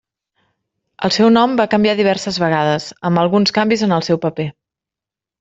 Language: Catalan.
El seu nom va canviar diverses vegades, amb alguns canvis en el seu paper.